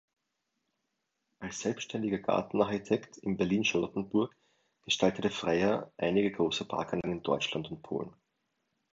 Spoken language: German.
Als selbständiger Gartenarchitekt in Berlin-Charlottenburg gestaltete Freyer einige große Parkanlagen in Deutschland und Polen.